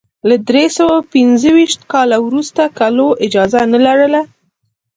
له درې سوه پنځه شپېته کال وروسته کلو اجازه نه لرله.